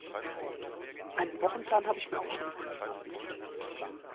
Einen Wochenplan habe ich mir auch schon überlegt